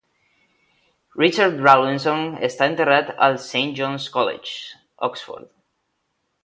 Richard Rawlinson està enterrat al Saint John's College, Oxford.